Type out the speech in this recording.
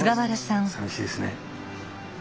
さみしいですね。